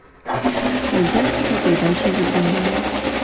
Задержка при передаче изображения